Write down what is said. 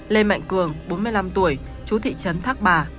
lê mạnh cường bốn mươi năm tuổi chú thị trấn thác bà